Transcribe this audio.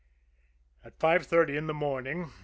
At five thirty in the morning, No.